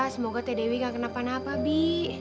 semoga teh dewi gak kena apa apa bi